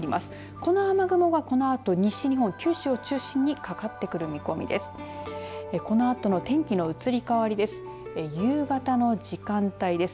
この雨雲が、このあと西日本九州を中心にかかってくる見込みです。